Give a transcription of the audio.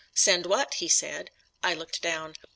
"Send what?" he said. I looked down.